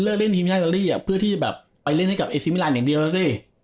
เลือกเล่นทีมชาติอิตาลีเพื่อที่จะไปเล่นกับเอซิฟนี่รันอย่างเดียวสิ